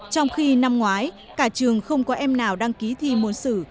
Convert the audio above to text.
trong khi năm ngoái cả trường không có em nào đăng ký thi môn sử